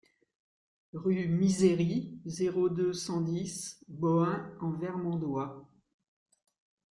Rue Misery, zéro deux, cent dix Bohain-en-Vermandois